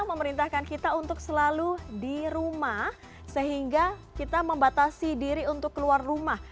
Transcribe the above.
memerintahkan kita untuk selalu di rumah sehingga kita membatasi diri untuk keluar rumah